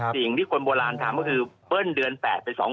สิ่งที่คนโบราณถามก็คือเปิ้ลเดือนแปดได้๒หลง